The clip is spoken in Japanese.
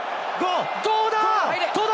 どうだ？